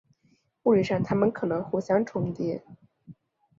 物理上它们可能互相重叠。